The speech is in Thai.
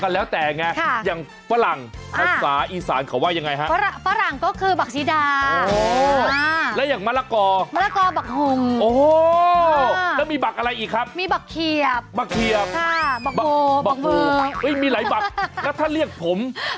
เฮ้ยมีหลายบักแล้วถ้าเรียกผม